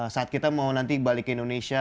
saat kita mau nanti balik ke indonesia